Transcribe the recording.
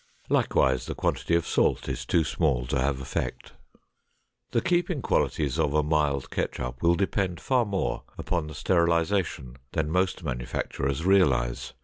Likewise the quantity of salt is too small to have effect. The keeping qualities of a mild ketchup will depend far more upon the sterilization than most manufacturers realize.